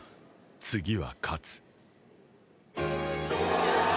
次は勝つ。